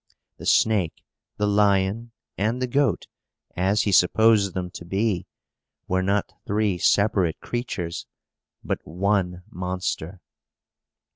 The snake, the lion, and the goat, as he supposed them to be, were not three separate creatures, but one monster!